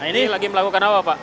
ini lagi melakukan apa pak